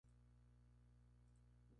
Eduardo Frei es electo Presidente de Chile.